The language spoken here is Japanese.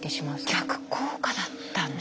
逆効果だったんだ。